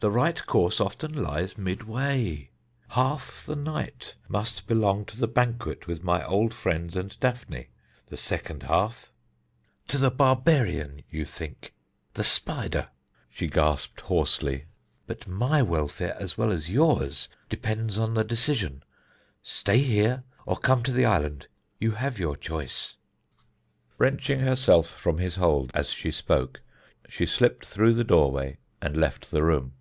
The right course often lies midway. Half the night must belong to the banquet with my old friends and Daphne; the second half " "To the barbarian, you think the spider," she gasped hoarsely. "But my welfare as well as yours depends on the decision. Stay here, or come to the island you have your choice." Wrenching herself from his hold as she spoke, she slipped through the doorway and left the room.